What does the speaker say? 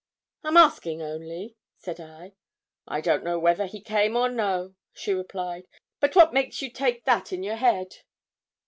'I'm asking only,' said I. 'I don't know whether he came or no,' she replied; 'but what makes you take that in your head?'